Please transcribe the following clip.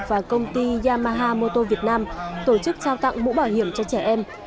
và công ty yamaha motor việt nam tổ chức trao tặng mũ bảo hiểm cho trẻ em